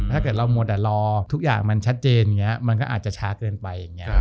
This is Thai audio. ถ้าเกิดเรามวลแต่ลอทุกอย่างมันชัดเจนมันก็อาจจะช้าเกินไป